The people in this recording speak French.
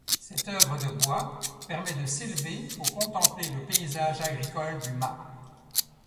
Cette œuvre de bois permet de s'élever pour contempler le paysage agricole du mas.